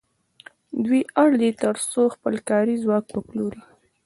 دوی اړ دي تر څو خپل کاري ځواک وپلوري